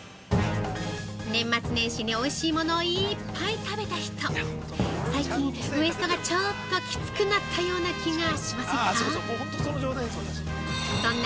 年末年始においしいものをいっぱい食べた人、最近ウエストがちょっときつくなったような気がしませんか？